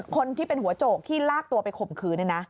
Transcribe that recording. คนที่เป็นหัวโจกที่ลากตัวไปข่มขืน